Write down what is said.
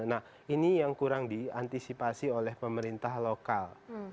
nah ini yang kurang diantisipasi oleh pemerintah lokal